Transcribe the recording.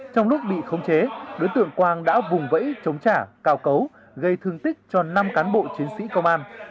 trong lúc bị khống chế đối tượng quang đã vùng vẫy chống trả cao cấu gây thương tích cho năm cán bộ chiến sĩ công an